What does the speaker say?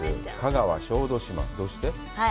香川・小豆島、どうして？